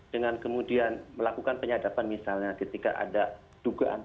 dengan kemudian melakukan penyadapan misalnya ketika ada dugaan